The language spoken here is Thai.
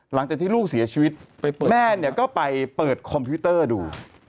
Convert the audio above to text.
หลังจากที่ลูกเสียชีวิตแม่เนี่ยก็ไปเปิดคอมพิวเตอร์ดู